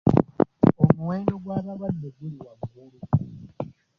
Omuwendo gw'abalwadde guli waggulu.